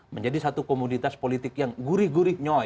menjadi satu komoditas politik yang gurih gurih nyoi